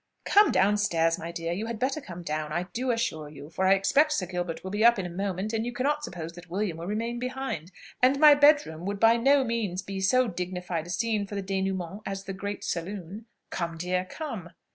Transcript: "Come down stairs, my dear; you had better come down, I do assure you; for I expect Sir Gilbert will be up in a moment, and you cannot suppose that William will remain behind; and my bed room would by no means be so dignified a scene for the denouement as the great saloon. Come, dear, come."